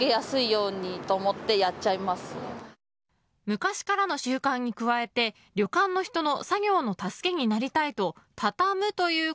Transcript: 昔からの習慣に加えて旅館の人の作業の助けになりたいと畳むという